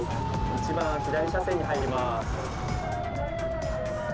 一番左車線入ります。